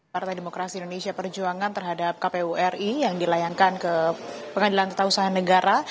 partai demokrasi indonesia perjuangan terhadap kpu ri yang dilayangkan ke pengadilan tata usaha negara